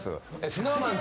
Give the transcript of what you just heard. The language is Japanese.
ＳｎｏｗＭａｎ